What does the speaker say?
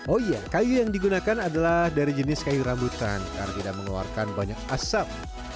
oh iya kayu yang digunakan adalah dari jenis kayu rambutan karena tidak mengeluarkan banyak asap